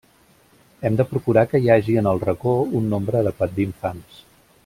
Hem de procurar que hi hagi en el racó un nombre adequat d’infants.